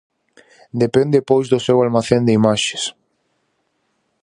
Depende pois do seu almacén de imaxes.